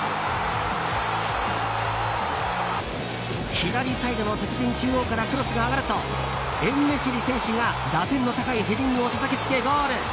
左サイドの敵陣中央からクロスが上がるとエンネシリ選手が打点の高いヘディングをたたきつけゴール！